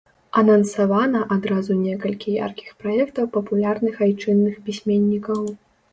Анансавана адразу некалькі яркіх праектаў папулярных айчынных пісьменнікаў.